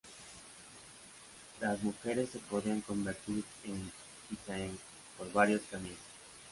Las mujeres se podían convertir en kisaeng por varios caminos.